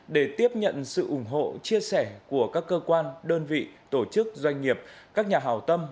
để tiếp nhận sự ủng hộ chia sẻ của các cơ quan đơn vị tổ chức doanh nghiệp các nhà hào tâm